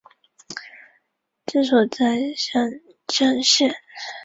它主要被使用来举办足球和田径赛事。